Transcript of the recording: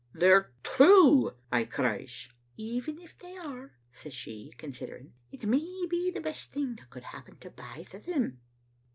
"'They're true,' I cries. " 'Even if they are,' says she, considering, 'it may be the best thing that could happen to baith o' them.